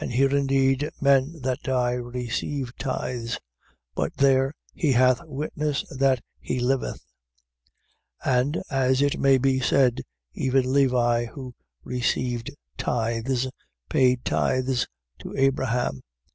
And here indeed, men that die receive tithes: but there, he hath witness that he liveth. 7:9. And (as it may be said) even Levi who received tithes paid tithes in Abraham: 7:10.